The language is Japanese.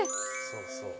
そうそう。